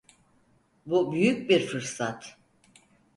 Bu büyük bir fırsat.